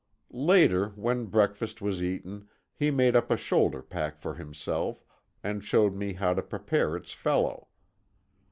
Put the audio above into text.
Later, when breakfast was eaten, he made up a shoulder pack for himself, and showed me how to prepare its fellow.